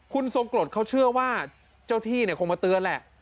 คุณทรงกรดเขาเชื่อว่าเจ้าที่คงมาเตือนแหละ